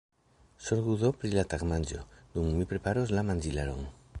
Zorgu do pri la tagmanĝo, dum mi preparos la manĝilaron.